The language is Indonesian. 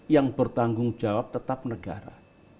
yang bertanggung jawab tetap negara